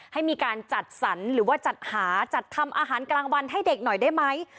ให้มีการจัดสรรหรือว่าจัดหาจัดทำอาหารกลางวันให้เด็กหน่อยได้ไหม